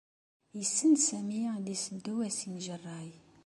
Yessen Sami ad iseddu asinjerray.